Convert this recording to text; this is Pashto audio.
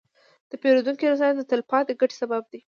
د پیرودونکي رضایت د تلپاتې ګټې سبب کېږي.